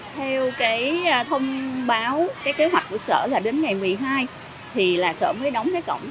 theo cái thông báo cái kế hoạch của sở là đến ngày một mươi hai thì là sở mới đóng cái cổng